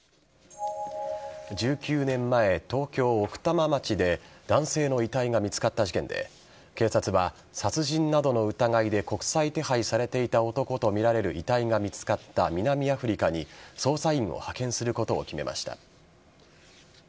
１９年前、東京・奥多摩町で男性の遺体が見つかった事件で警察は殺人などの疑いで国際手配されていた男とみられる遺体が見つかった南アフリカに捜査員を派遣することを決めました。